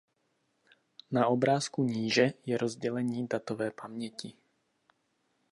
Na obrázku níže je rozdělení datové paměti.